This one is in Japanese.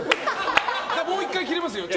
もう１回切れますよ。